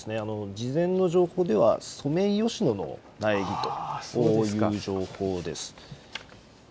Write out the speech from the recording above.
事前の情報ではソメイヨシノの苗木という情報です。